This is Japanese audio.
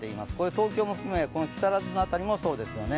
東京も含めこの木更津の辺りもそうですよね。